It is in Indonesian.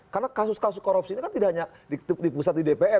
karena kasus kasus korupsi ini kan tidak hanya di pusat di dpr